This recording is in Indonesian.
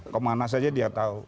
kemana saja dia tahu